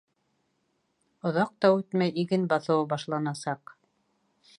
Оҙаҡ та үтмәй, иген баҫыуы башланасаҡ.